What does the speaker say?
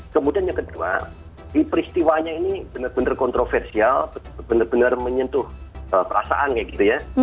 kemudian yang kedua peristiwanya ini benar benar kontroversial benar benar menyentuh perasaan kayak gitu ya